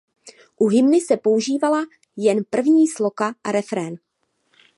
U hymny se používala jen první sloka a refrén.